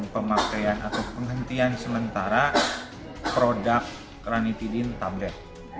pemakaian atau penghentian sementara produk ranitidin tablet